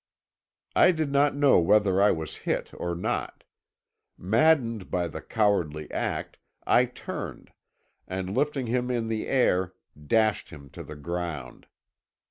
"I did not know whether I was hit or not. Maddened by the cowardly act, I turned, and lifting him in the air, dashed him to the ground.